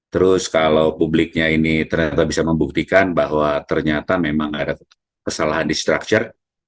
terus kalau publiknya ini ternyata bisa membuktikan bahwa ternyata memang ada kesalahan di structure